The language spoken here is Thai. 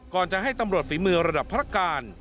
ก่อนจะให้ตำรวจฝีมือระดับพระการ